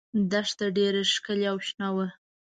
دښته ډېره ښکلې او شنه وه.